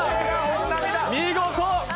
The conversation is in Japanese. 見事！